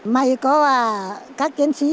bị cuốn sạt xuống sông